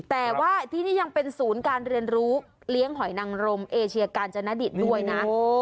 แต่ว่าที่นี่ยังเป็นศูนย์การเรียนรู้เลี้ยงหอยนังรมเอเชียกาญจนดิตด้วยนะ